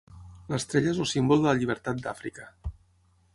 L'estrella és el símbol de la llibertat d'Àfrica.